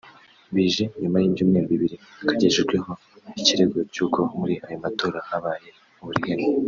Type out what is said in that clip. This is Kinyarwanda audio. bije nyuma y’ibyumweru bibiri kagejejweho ikirego cy’uko muri ayo matora habaye uburiganya